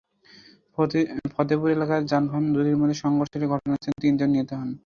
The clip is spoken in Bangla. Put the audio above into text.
ফতেপুর এলাকায় যানবাহন দুটির মধ্যে সংঘর্ষ হলে ঘটনাস্থলে তিনজন নিহত হন।